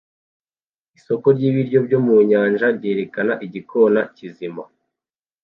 Isoko ryibiryo byo mu nyanja ryerekana igikona kizima